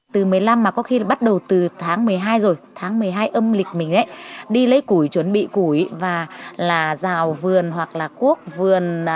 từ một mươi năm mà có khi bắt đầu từ tháng một mươi hai rồi tháng một mươi hai âm lịch mình đi lấy củi chuẩn bị củi và là rào vườn hoặc là cuốc vườn